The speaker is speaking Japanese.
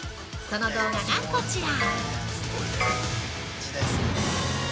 その動画がこちら！！